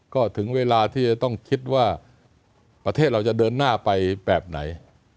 ก็ถึงเวลาที่จะต้องคิดว่าประเทศเราจะเดินหน้าไปแบบไหน